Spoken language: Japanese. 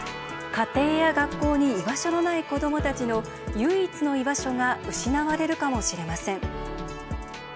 家庭や学校に居場所のない子どもたちの唯一の居場所が失われるかもしれません。